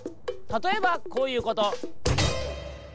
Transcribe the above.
たとえばこういうこと。